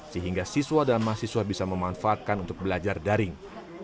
sehingga siswa dan mahasiswa bisa memanfaatkan untuk belajar daring